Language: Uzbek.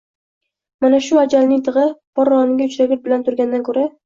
Mana shu ajalning tig‘i parroniga uchragur bilan turgandan ko‘ra.